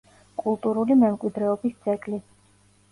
კულტურული მემკვიდრეობის ძეგლი.